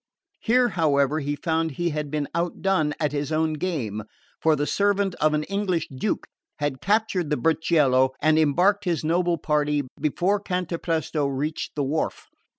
Here, however, he found he had been outdone at his own game; for the servant of an English Duke had captured the burchiello and embarked his noble party before Cantapresto reached the wharf.